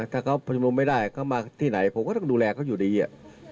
ถ้าเขาชุมนุมไม่ได้เขามาที่ไหนผมก็ต้องดูแลเขาอยู่ดี